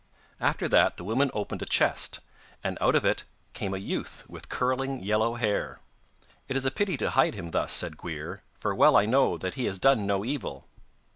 After that the woman opened a chest, and out of it came a youth with curling yellow hair. 'It is a pity to hid him thus,' said Gwrhyr, 'for well I know that he has done no evil.